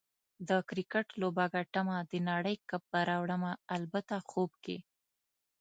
د کرکټ لوبه ګټمه، د نړۍ کپ به راوړمه - البته خوب کې